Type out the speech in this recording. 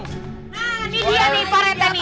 nah nih dia nih pak rete nih